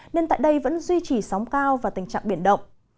nên tại đây vẫn duy trì sóng cao và tình trạng biển động